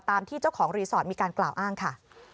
ที่เจ้าของรีสอร์ทมีการกล่าวอ้างค่ะ